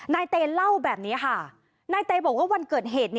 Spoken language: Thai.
นายเตเล่าแบบนี้ค่ะนายเตบอกว่าวันเกิดเหตุ